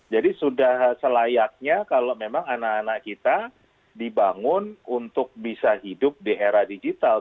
jadi sudah selayaknya kalau memang anak anak kita dibangun untuk bisa hidup di era digital